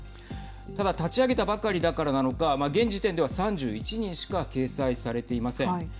ただ、立ち上げたばかりだからなのか現時点では３１人しか掲載されていません。